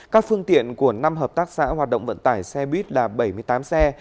các phương tiện của năm hợp tác xã hoạt động vận tải xe buýt là bảy mươi tám xe